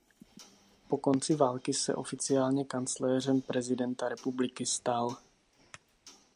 Po konci války se oficiálně kancléřem prezidenta republiky stal.